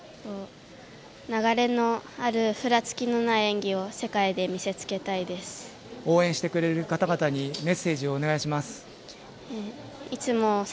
流れのある、ふらつきのない応援してくれる方々にメッセージをお願いします。